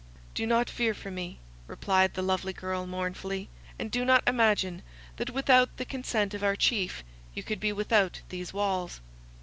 "Do not fear for me," replied the lovely girl mournfully, "and do not imagine that without the consent of our chief you could be without these walls.